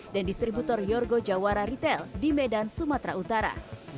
dan distributor yorgo jawara retail di medan sumatera utara